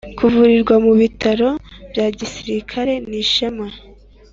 kuvurirwa mu bitaro bya gisirikare nishema